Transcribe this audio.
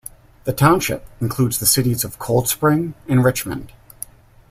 The township includes the cities of Cold Spring and Richmond.